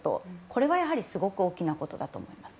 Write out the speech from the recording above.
これはやはりすごく大きなことだと思います。